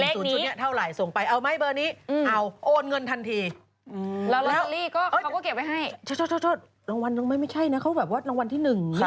เขาแบบว่าวันที่๑นี่คือวันที่๑